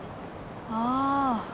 ああ。